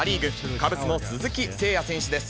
カブスの鈴木誠也選手です。